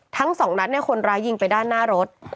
ทั้งสองนัดเนี่ยคนร้ายยิงไปด้านหน้ารถ